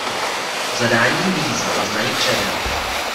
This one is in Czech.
Zadání výzvy znají předem.